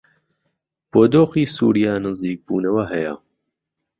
بۆ دۆخی سووریا نزیکبوونەوە هەیە